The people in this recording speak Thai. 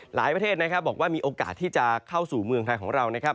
ประเทศนะครับบอกว่ามีโอกาสที่จะเข้าสู่เมืองไทยของเรานะครับ